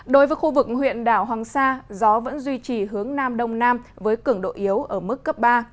đối với khu vực huyện đảo hoàng sa gió vẫn duy trì hướng nam đông nam với cường độ yếu ở mức cấp ba